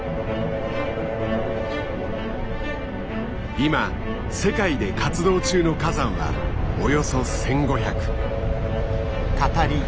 今世界で活動中の火山はおよそ１，５００。